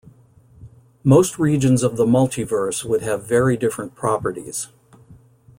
Most regions of the multiverse would have very different properties.